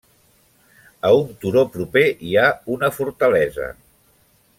A un turó proper hi ha una fortalesa.